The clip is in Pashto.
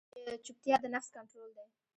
چپتیا، د نفس کنټرول دی.